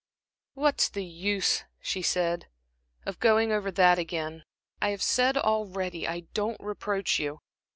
"What's the use," she said, "of going over that again, I have said already, I don't reproach you.